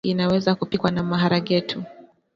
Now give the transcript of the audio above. Pilau hii inaweza kupikwa na maharagetu